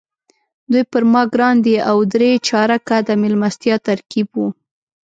دوی پر ما ګران دي او درې چارکه د میلمستیا ترکیب وو.